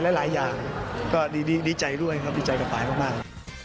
หลายอย่างก็ดีใจด้วยครับดีใจกับปายมาก